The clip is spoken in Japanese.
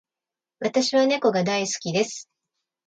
私は猫が大好きです。